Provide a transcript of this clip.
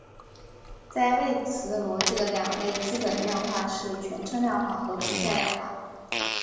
在谓词逻辑的两类基本量化是全称量化和存在量化。